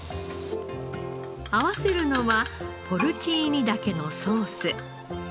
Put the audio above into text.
合わせるのはポルチーニ茸のソース。